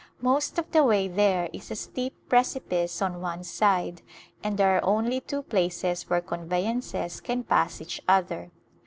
Most of the way there is a steep prec ipice on one side, and there are only two places where conveyances can pass each other.